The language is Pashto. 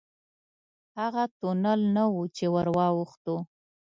هغه تونل نه و چې ورواوښتو.